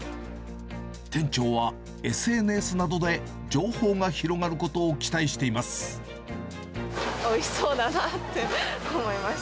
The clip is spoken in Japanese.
店長は、ＳＮＳなどで情報が広がることを期待しています。